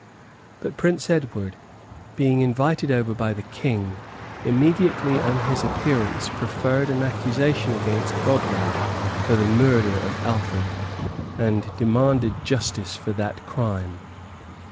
But Prince Edward, being invited over by the king, immediately on his appearance preferred an accusation against Godwin for the murder of Alfred, and demanded justice for that crime.